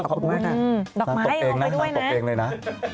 ขอบคุณมากตัวเองเลยนะ